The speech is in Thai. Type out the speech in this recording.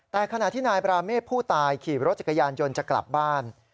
แต่ขณะที่นายบราเมฆผู้ตายขี่รถจักรยานยนต์จะกลับบ้าน